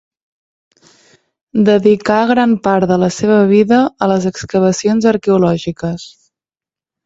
Dedicà gran part de la seva vida a les excavacions arqueològiques.